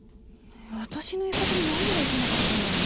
私の言い方の何がいけなかったんだろう？